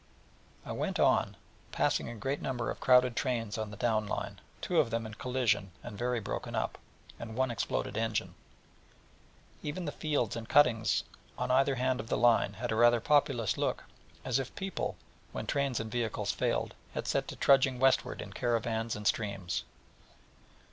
I went on, passing a great number of crowded trains on the down line, two of them in collision, and very broken up, and one exploded engine; even the fields and cuttings on either hand of the line had a rather populous look, as if people, when trains and vehicles failed, had set to trudging westward in caravans and streams.